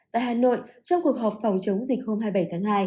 tại hà nội trong cuộc họp phòng chống dịch hôm hai mươi bảy tháng hai